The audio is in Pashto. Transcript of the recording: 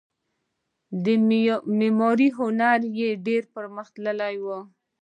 د معمارۍ هنر یې ډیر پرمختللی و